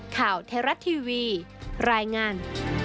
ข่าวเทรัตน์ทีวีรายงาน